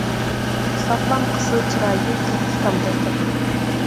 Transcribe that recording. ساغلام قىزىل چىرايى كەتتى تامدەك تاتىرىپ.